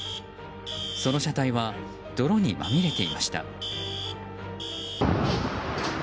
その車体は泥にまみれていました。